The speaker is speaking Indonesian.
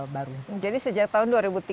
baru jadi sejak tahun dua ribu tiga